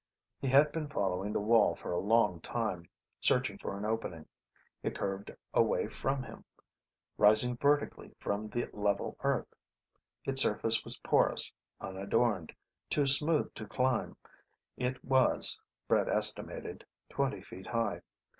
He had been following the wall for a long time, searching for an opening. It curved away from him, rising vertically from the level earth. Its surface was porous, unadorned, too smooth to climb. It was, Brett estimated, twenty feet high.